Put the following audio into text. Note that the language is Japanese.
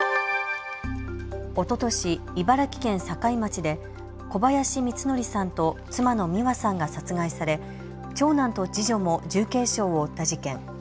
おととし茨城県境町で小林光則さんと妻の美和さんが殺害され長男と次女も重軽傷を負った事件。